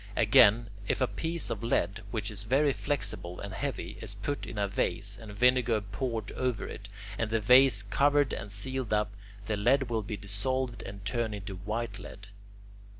Again, if a piece of lead, which is very flexible and heavy, is put in a vase and vinegar poured over it, and the vase covered and sealed up, the lead will be dissolved and turn into white lead.